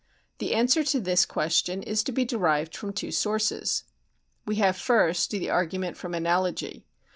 The answer to this question is to be derived from two sources. We have first the argument from analogy.